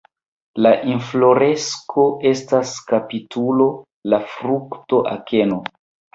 La infloresko estas kapitulo, la frukto akeno.